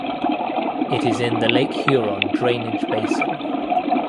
It is in the Lake Huron drainage basin.